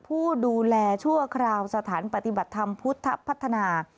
ผู้ดูแลชั่วคราวสถานปฏิบัติธรรมพุทธพัฒนา